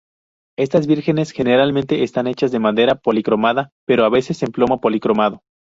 Estas vírgenes generalmente están hechas de madera policromada, pero a veces en plomo policromado.